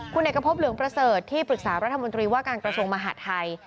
คุณเอกพบเหลืองประเสริฐที่ปรึกษารัฐมนตรีว่าการกระทรวงมหาดไทย